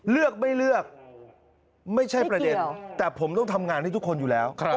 เลือกไม่เลือกไม่ใช่ประเด็นแต่ผมต้องทำงานให้ทุกคนอยู่แล้ว